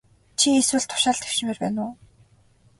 Чи эсвэл тушаал дэвшмээр байна уу?